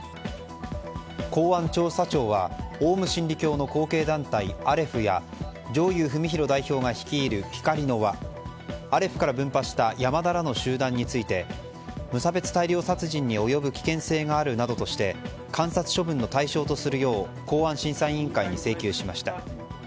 公安調査庁はオウム真理教の後継団体アレフや上祐史浩代表が率いるひかりの輪がアレフから分派した山田らの集団について無差別大量殺人に及ぶ危険性があるなどとして観察処分の対象とするよう公安審査委員会に請求しました。